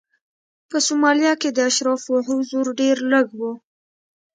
په سومالیا کې د اشرافو حضور ډېر لږ و.